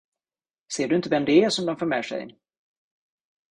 Ser du inte vem det är, som de för med sig?